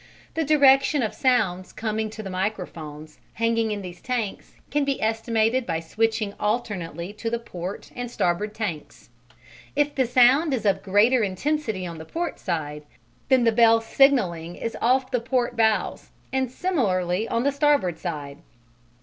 The direction of sounds coming to the microphones hanging in these tanks can be estimated by switching alternately to the port and starboard tanks. If the sound is of greater intensity on the port side, then the bell signalling is off the port bows; and similarly on the starboard side.